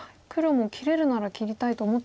黒も切れるなら切りたいと。